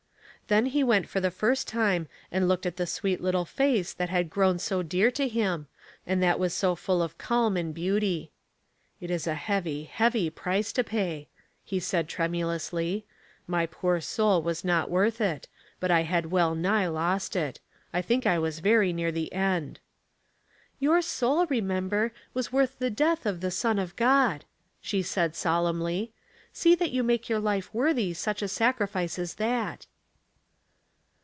Then he went for the first time and looked at the sweet little face that had grown so dear to him, and that was so full of calm and beauty. " It is a heavy, heavy price to pay," he said, tremulously. *' My poor soul was not worth it, but I had well nigh lost it. I think I was very near the end." " Your soul, remember, was worth the death of the Son of God," she said, solemnly. " See that you make your life worthy such a sacrifice as that."